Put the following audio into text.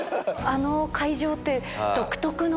あの会場って。